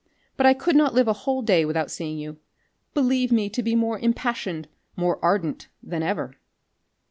But I could not live a whole day without seeing you. Believe me to be more impassioned, more ardent than ever."